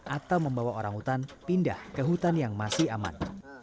atau membawa orangutan pindah ke hutan yang masih aman